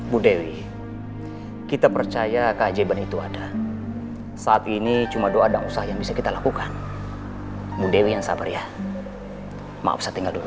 bu dewi kita percaya keajaiban itu ada saat ini cuma doa dan usaha yang bisa kita lakukan bu dewi yang sabar ya maaf saya tinggal dulu